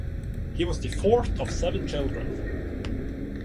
He was the fourth of seven children.